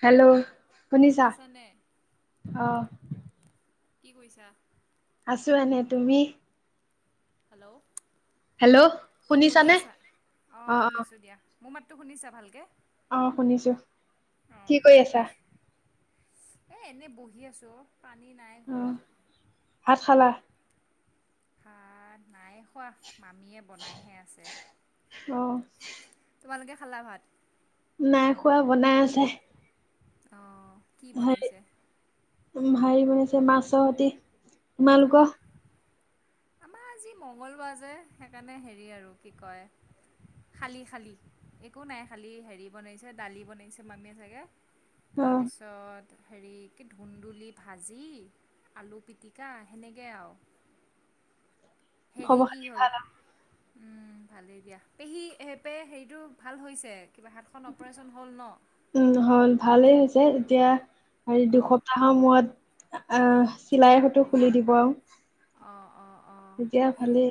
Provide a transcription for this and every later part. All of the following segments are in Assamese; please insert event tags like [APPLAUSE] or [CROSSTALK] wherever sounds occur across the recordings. হেল্ল' শুনিছা শুনিছানে অহ কি কৰিছা আছো এনে তুমি হেল্ল' হেল্ল' শুনি শুনিছানে আছা অ শুনিছো দিয়া মোৰ মাতটো শুনিছা ভালকে অ শুনিছো অ কৰি কি আছা কৰিছ এ এনেই বহি আছো অ পানী নাই অ ঘৰত ভাত খালা ভাত নাই খোৱা মামীয়ে বনাইহে আছে অ তোমালোকে খালা ভাত নাই খোৱা বনাই আছে অহ কি বনাইছে উম হেৰি বনাইছে মাছৰ সতি অঁ তোমালোকৰ আমাৰ আজি মঙ্গলবাৰ যে সেইকাৰণে হেৰি আৰু কি কয় খালি খালি একো নাই খালী হেৰি বনাইছে দালি বনাইছে মামীয়ে চাগে অ তাৰপিছত হেৰি কি ধুন্দুলি ভাজি আলু পিটিকা সেনেকে আও হেৰি খবৰ কি খাতি হ'ল ভাল উম ভালেই দিয়া পেহী হে পে হেৰিটো ভাল হৈছে কিবা হাতখন অপাৰেচন হ'ল ন উম হল ভালেই হৈছে এতিয়া হেৰি অঁ দুসপ্তাহ সময় আ আ চিলাই সেতো খুলি দিব আৰু অ অ অ এতিয়া খালি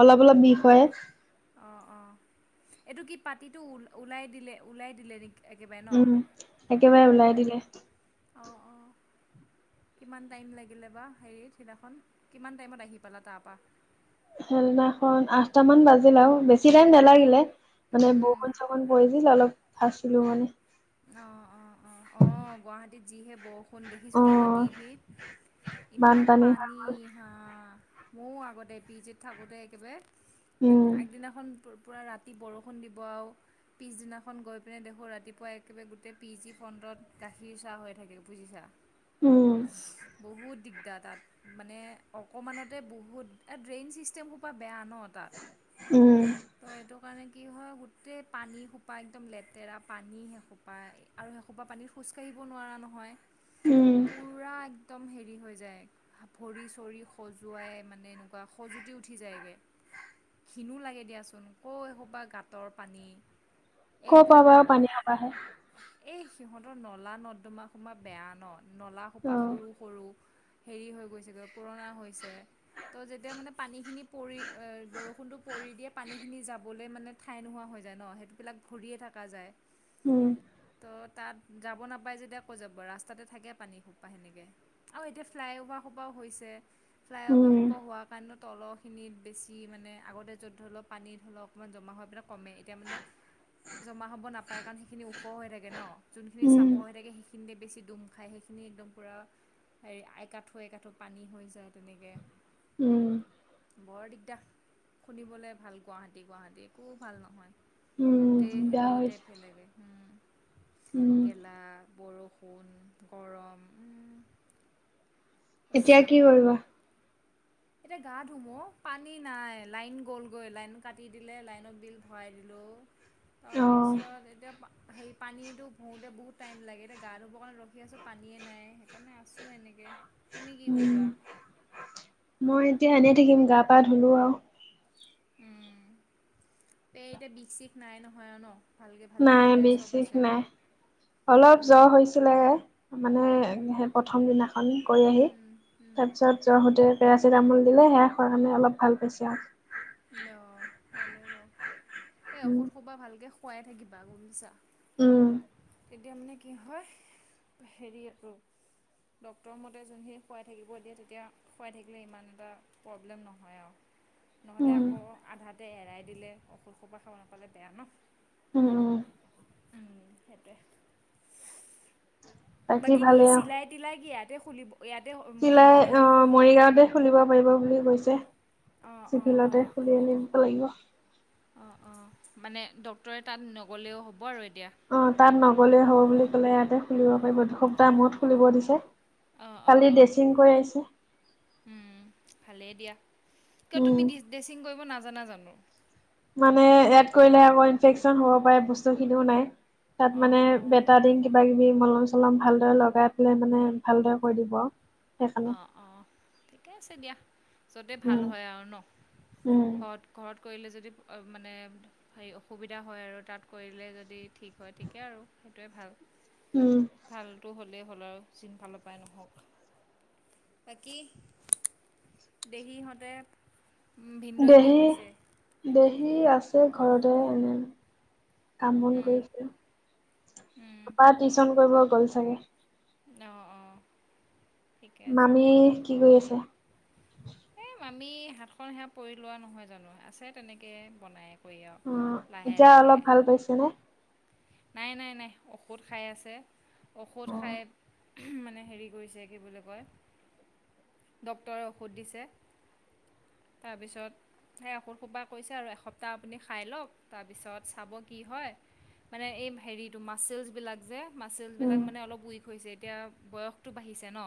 অলপ অলপ বিষ হয় অ অ এইটো কি পাতিটো ও ওলাই দিলে ওলাই দিলে নিকি উম একেবাৰে উলাই দিলে অ অ কিমান টাইম লাগিলে বা হেৰি সিদিনাখন কিমান টাইমত আহি পালা তাৰপা সেইদিনাখন আঠটা মান বাজিল আৰু বেছি টাইম নালাগিলে মানে বৰষুণ চৰষুণ পৰি ছিল অলপ ফাছিলো মানে অ অ অ অ গুৱাহাটীত যিহে বৰষুণ অ দেখিছোঁ নহয় টিভিত ইমান বানপানী হৈ পানী গ'ল হা ময়ো আগতে পি জিত থাকোঁতে একেবাৰে উম আগদিনাখন পু পূৰা ৰাতি বৰষুণ দিব আও পিছদিনাখন গৈ পিনে দেখোঁ ৰাতিপুৱা এক একেবাৰে গোটেই পি জি ফণ্ডত গাখীৰ চাহ হৈ থাকে বুজিছা উম বহুত দিগ এতিয়া তাত মানে অকণমানতে বহুত এ ড্ৰেইন ছিষ্টেম সোপা বেয়া ন তাত উম ত সেইটো কাৰণে কি হয় গোটেই পানী সোপা একদম লেতেৰা পানী সোপা পায় আৰু সেসোপা পানীত খোজ কাঢ়িবও নোৱাৰা নহয় উম পুৰা একদম হেৰি হৈ যায় ভৰি চৰি খজুৱাই মানে এনেকুৱা খজুতি উঠি যায়গে ঘিনো লাগে দিয়াচোন ক এসোপা গাঁতৰ পানী ক পা এইবিলাক বা বাও পানী সাবাহে এই সিহঁতৰ নলা নৰ্দমা সোমা বেয়া ন নলা সোপা অ সৰু সৰু হেৰি হৈ গৈছেগৈ পুৰণা হৈছে। ত যেতিয়া মানে পানীখিনি পৰি বৰষুণটো পৰি দিয়ে পানীখিনি যাবলে মানে ঠাই নোহোৱা হৈ যায় ন সেইটোবিলাক ভৰিয়ে থাকা যায়। ওম। ত তাত যাব নাপায় যেতিয়া কৈ যাব ৰাস্তাতে থাকে পানী খোপা সেনেকে। আৰু এতিয়া ফ্লাইঅভাৰ সোপাও হৈছে ফ্লাইঅভাৰ উম সোপা হোৱা কাৰণত তলৰখিনিত বেছি মানে আগতে য'ত ধৰি লওক পানী ধৰি লওক অকণমান জমা হৈ পিনে কমে এতিয়া মানে জমা হ'ব নাপায় কাৰণ সেইখিনি ওখ হৈ থাকে ন যোনখিনি উম চাপৰ হৈ থাকে সেইখিনতে বেছি দুম খাই সেইখিনি একদম পূৰা হেৰি একাঠো একাঠো পানী হৈ যায় তেনেকে। উম। বৰ দিগদা, শুনিবলৈ ভাল গুৱাহাটী গুৱাহাটী একো ভাল নহয়। উম গোটেই দিগদাৰ হেৰি হৈছে টাপহে লাগে হুম। উম। লা বৰষুণ গৰম উম এতিয়া কি কৰিবা? এতিয়া গা ধুম অ পানী নাই লাইন গলগৈ লাইন কাটি দিলে লাইনৰ বিল ভৰাই দিলো। অ তাৰপিছত এতিয়া পা- হেৰি পানীটো ভৰোঁতে বহুত টাইম লাগে এতিয়া গা ধুবৰ কাৰণে ৰখি আছোঁ পানীয়েই নাই সেইকাৰণে আছোঁ এনেকে। উম মই এতিয়া এনেই থাকিম গা পা ধুলো আও। উম পে এতিয়া বিষ চিষ নাই নহয় আৰু ন। ভালকৈ ভালে নাই ভুলে বিষ চব শিষ আছে নাই অলপ জ্বৰ হৈছিলে, মানে হে- প্ৰথম দিনাখন কৈ আহি আৰু তাপিছত জহতে পেৰাচিটামল দিলে সেয়া খোৱাৰ কাৰণে অলপ ভাল পাইছে আও। অ ভালেই বাৰু এই উম ঔষধ সোপা ভালকৈ খুৱাই থাকিবা গম পাইছা। উম তেতিয়া মানে কি হয় হেৰি আৰু ডক্টৰ মতে যোনখিনি খুৱাই থাকিব দিয়ে তেতিয়া। খুৱাই থাকিলে ইমান এটা প্ৰব্লেম নহয় আও। নহ'লে উম আকৌ আধাতে এৰাই দিলে ঔষধ সোপা খাব নাপালে বেয়া ন। উম উম। উম সেইটোৱে। বাকী কি ভালেই আৰু চিলাই তিলাই কি ইয়াতে খুলিব ইয়াতে চিলাই মৰিগাঁৱতে অ খুল মৰিগাঁও তে খুলিব পাৰিব বুলি কৈছে অঁ অঁ চিবিলতে খুলি আনিব লাগিব। অ অ মানে ডক্টৰে তাত নগ'লেও হ'ব আৰু এতিয়া। অ তাত নগ'লেই হ'ব বুলি ক'লে ইয়াতে খুলিব পাৰিব দুসপ্তাহ মূৰত খুলিব দিছে। অঁ অঁ কালি অঁ ডেচিং কৈ আহিছে। উম ভালেই দিয়া কিয় তুমি উম ডিচ ড্ৰেচিং কৰিব নাজানা জানো। মানে এয়াড কৰিলে আকৌ ইনফেকচন হ'ব পাৰে বস্তু খিনিও নাই তাত অ', মানে অ'। বেড- টাদিন কিবা কিবি মলম চলম ভালদৰে লগাই পেলাই মানে ভালদৰে কৰি দিব আও। অ অ ঠিকে আছে দিয়া যতে ভাল উম, হয় আৰু ন উম। ঘৰত ঘৰত কৰিলে যদি মানে হেৰি অসুবিধা হয় আৰু তাত কৰিলে যদি ঠিক হয় ঠিকে আৰু সেইটোৱে ভাল। উম, ভালটো হ'লেই হ'ল আৰু চিনফালৰ পৰাই নহওঁক। বাকী, দেহী ইহঁতে ভিনদেউয়ে কি দেহি কৰিছে? দেহি আছে ঘৰতে এনে। কাম বন উম, কৰিছে উম, তাপা টিউচন কৰিব গ'ল চাগে। অ অ। ঠিকে আছে মামি দিয়া। কি কৰি আছে? এই মামি হাতখন সেয়া পৰি লোৱা নহয় জানো আছে তেনেকৈ বনায়। কৰি আও লাহে লাহে। হৈছেনে? নাই নাই নাই ঔষধ খাই আছে, ঔষধ অ'। খাই- মানে হেৰি কৰিছে কি বুলি কয় ডক্তৰে ঔষধ দিছে তাৰপিছত। সেই ঔষধ খোপা কৈছে আৰু এসপ্তাহ আপুনি খাই লওঁক তাৰপিছত চাব কি হয়। মানে এই হেৰিটো মাচেলছবিলাক যে উম। মাচেছবিলাক মানে অলপ উইক- হৈছে এতিয়া বয়সটো বাঢ়িছে ন।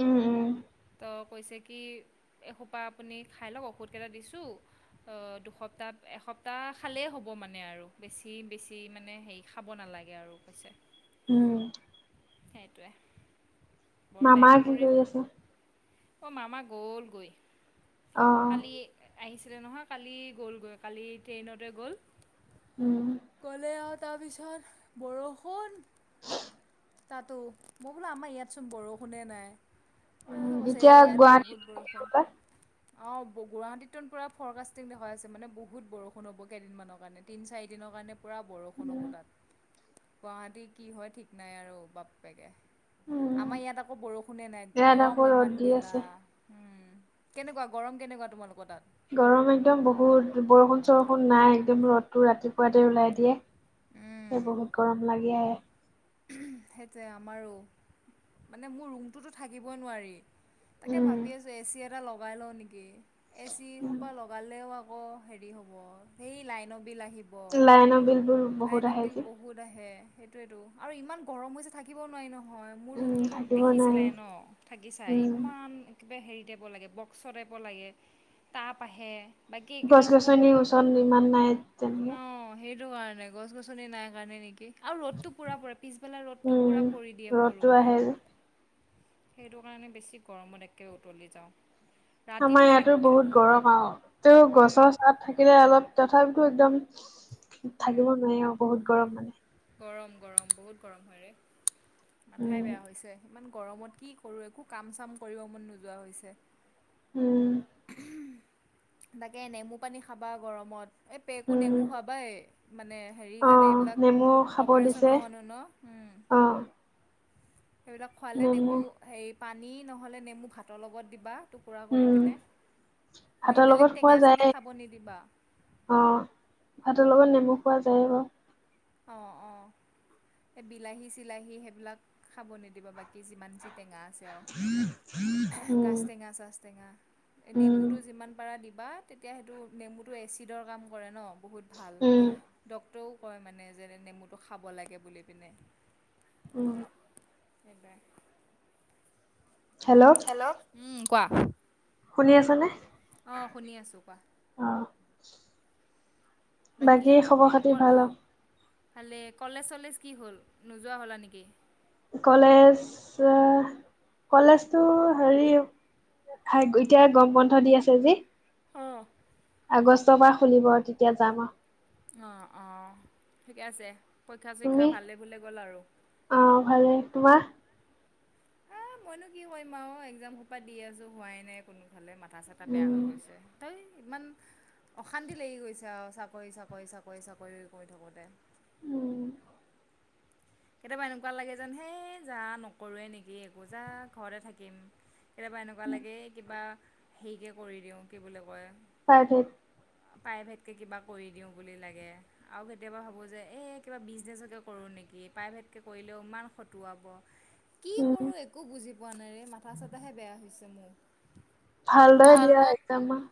উম, উম, ত' কৈছে কি এসোপা আপুনি খাই লওঁক ঔষধকেইটা দিছোঁ। দুসপ্তাহ এসপ্তাহ খালেই হ'ব মানে আৰু বেছি বেছি। মানে হেৰি খাব নালাগে আৰু কৈছে। উম সেইটোৱে, বৰ মামা বেয়াকে কি কৰি আছে? পৰিল। অঁ মামা গ'লগৈ, অ', অ', কালি- আহিছিলে নহয় কালি গ'লগৈ কালি ট্ৰেইনতে গ'ল। উম গলে আৰু তাৰপিছত বৰষুণ তাতো, ম‌ই বোলো আমাৰ ইয়াতচোন বৰষুণে নাই। উম, তাৰপাছত কৈছে, এতিয়া এই ইয়াত গুৱাহাটীত বহুত বৰষুণ। অ', গুৱাহাটীত পোৰা ফ'ৰকাষ্টি দেখুৱাই আছে মানে বহুত বৰষুণ হ'ব কেইদিনমানৰ কাৰণে, তিন চাৰিদিনৰ কাৰণে পোৰা বৰষুণ হব তাত, গুৱাহাটী কি হয় ঠিক নাই আৰু বাপ পেকে। উম, আমাৰ ইয়াত আকৌ বৰষুণে নাই ইয়াত গৰম আকৌ ৰ'দ ইমান দি গেলা। আছে। উম, কেনেকুৱা গৰম কেনেকুৱা তোমালোকৰ তাত গৰম একদম বহুত বৰষুণ চৰষুণ নাই একদম ৰ'দটো ৰাতিপুৱাতে ওলাই দিয়ে। সে বহুত গৰম লাগি আহে। সেইটোৱে আমাৰো মানে মোৰ ৰুমটোতো থাকিবই নোৱাৰি। তাকে উম, ভাবি আছোঁ এ চি এটা লগাই লওঁ নেকি। এ চি সোপা লগালেও আকৌ হেৰি হ'ব সেই লাইন বিল আহিব। লাইনৰ বিলবোৰ- বহুত লাইনৰ আহে বিল যে। বহুত আহে সেইটোয়েতো, আৰু ইমান গৰম হৈছে থাকিব নোৱাৰি ন। হয় মোৰ উম, ৰুমটোতো থাকিব নোৱাৰি, দেখিছিলাই ন থাকিচাই, উম, ইমান- কিবা হেৰি টাইপ লাগে বক্সৰ টাইপ লাগে তাপ আহে। বাকী এইকেইটা গছ ৰুমতটো, গছনিৰ ওচৰত ইমান নাই তেনেকে। অঁ' সেইটো হয় গছ-গছনি নাই কাৰণে নেকি? আৰু ৰ'দটো পূৰা পৰে, পিছবেলা ৰ'দটো উম, পূৰা পৰি দিয়ে মোৰ ৰ'দটো আহে ৰুমটোত। যে। সেইটো কাৰণে বেছি গৰমত একে উতলি যাওঁ। আমাৰ ৰাতিটো থাক ইয়াতো বহুত গৰম আও, তেও গছৰ চাত থাকিলে অলপ তথাপিতো একদম থাকিব নোৱাৰি আও বহুত গৰম মানে। গৰম-গৰম বহুত গৰম হয় ৰে, মাথাই উম। বেয়া হৈছে ইমান গৰমত কি কৰো একো কাম-চাম কৰিব মন নোযোৱা হৈছে। উম। তাকে নেমু পানী খাবা গৰমত। এই পেকো উম নেমু খাবাই, মানে হেৰি কাৰণে এইবিলাক মৌ খা অপাৰেচন হোৱা মানুহ ন? উম। অ'। সেইবিলাক খোৱালে, নেমু হেৰি পানী নহ'লে নেমু ভাতৰ লগত দিবা টুকুৰা কৰি উম পিনে। এনে ভাতৰ লগত বেলেগ টেঙা-চেঙা খাব নিদিবা। অঁ', ভাতৰ লগত নেমু খোৱা যায় বাৰু। অ', অ', এই বিলাহী-চিলাহী সেইবিলাক খাব নিদিব বাকী যিমান যি টেঙা আছে আও, গাছ উম টেঙা চাছ টেঙা উম নেমুটো যিমান পাৰা দিবা তেতিয়া সেইটো নেমুটো এচিডৰ কাম কৰে ন? বহুত ভাল, উম ডক্টৰেও কয় মানে যে নেমুটো খাব লাগে বুলি পিনে। উম। সেইবাই হেল্ল'? হেল্ল'? উম, কোৱা। শুনি আছানে? অ', শুনি আছোঁ কোৱা। অ বাকী ক ক খবৰ-খাতি ভাল হ ভালে, কলেজ-চলেজ কি হ'ল নোযোৱা হ'লা নিকি? কলেজ আ, কলেজটো হেৰি হাই এতিয়া গৰম বন্ধ দি আছে যি। অ'। আগষ্টৰ পৰা খুলিব, তিতিয়া যাম আও। অ', অ', ঠিকে আছে। পৰীক্ষা-চৰীক্ষা তুমি ভালে-ভুলে গ'ল আৰু? অ', ভালে, তোমাৰ? এ মইনো কি কৰিম আৰু এক্জাম সোপা দি আছোঁ হোৱাই নাই কোনো ফালে মা মাথা চাথা বেয়া উম হৈ গৈছে, ধেই ইমান অশান্তি লাগি গৈছে আৰু চাকৰি-চাকৰি-চাকৰি-চাকৰি কৰি থাকোঁতে। উম। কেতিয়াবা এনেকুৱা লাগে যেন হেই যা নকৰোঁৱে নেকি একো যা ঘৰতে থাকিম। কেতিয়াবা এনেকুৱা লাগে কিবা হেৰিকে কৰি দিওঁ, কি বুলি কয়? [UNINTELLIGIBLE] প্ৰাইভেটকে কিবা কৰি দিওঁ বুলি লাগে। আও কেতিয়াবা ভাবোঁ যে, এই কিবা বিজনেছকে কৰোঁ নিকি? প্ৰাইভেটকে কৰিলেও ইমান খটুৱাব, কি উম, কৰোঁ একো একো বুজি পোৱা নাই ৰে, মাথা-চাথাহে বেয়া হৈছে মোৰ। ভালদৰে দিয়া এক্সাম মা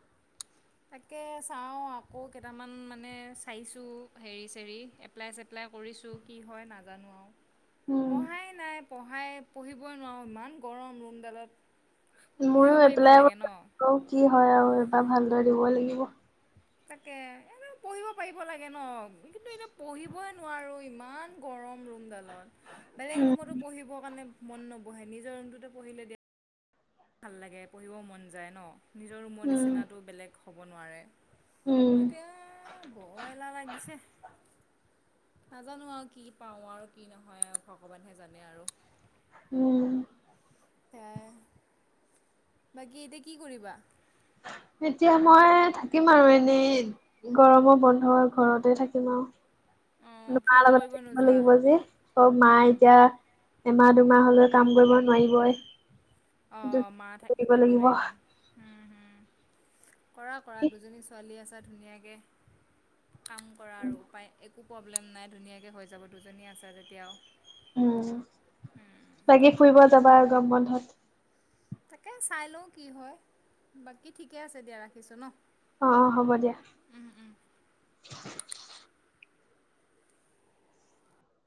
তাকে চাওঁ আকৌ কেইটামান মানে চাইছোঁ হেৰি-চেৰি এ এপ্লাই চেপ্লাই কৰিছোঁ কি হয় নাজানো আৰু, উম, পঢ়াই নাই পঢ়াই পঢ়িবই নোৱাৰোঁ ইমান গৰম ৰুমডালত। মোৰো পঢ়িব পাৰিব এপ্লাই লাগে ন [INAUDIBLE] কি হয় আৰু এবাৰ ভালদৰে দিবই লাগিব। তাকে, এনেও পঢ়িব পাৰিব লাগে ন? কিন্তু এতিয়া পঢ়িবই নোৱাৰোঁ ইমান গৰম ৰুমডালত, বেলেগ উম, ৰুমতো পঢ়িব মনে মন নবহে নিজৰ ৰূমটো পঢ়িলে দ ভাল লাগে পঢ়িব মন যায় ন, নিজৰ ৰুমৰ উম, নিচিনাটো বেলেগ হ'ব নোৱাৰে। উম, তাকে বৰ এলাহ লাগিছে। নাজানোঁ আৰু কি পাওঁ আৰু কি নহয় আৰু ভগৱানহে জানে আৰু। উম। সেইয়াই। বাকী এতিয়া কি কৰিবা? এতিয়া মই থাকিম আৰু এনেই। গৰমৰ বন্ধ ঘৰতে থাকিম আৰু। অঁ লুকা ফুৰিব লগত কৰিব থাকিব নোযোৱা? লাগিব যি চব মা এতিয়া এমাহ-দুমাহ হলে কাম কৰিব নোৱাৰিবই। সেইটো অ', মা ঠাইত কৰিব লাগিব। নোৱাৰিব। উম হুম, কৰা-কৰা দুজনী ছোৱালী আছা ধুনীয়াকে কাম কৰা আৰু উপায় একো প্ৰব্লেম নাই ধুনীয়াকৈ হৈ যাব দুজনী আছা যেতিয়া আও। উম, বাকি ফুৰিব ঠিকে। যাবা আৰু গম বন্ধত? তাকে চাই লওঁ কি হয়, বাকী ঠিকে আছে দিয়া ৰাখিছোঁ ন। অ', হ'ব দিয়া।